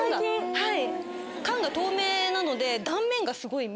はい。